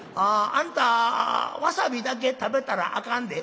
「あんたワサビだけ食べたらあかんで」。